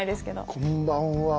こんばんは。